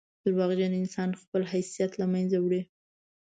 • دروغجن انسان خپل حیثیت له منځه وړي.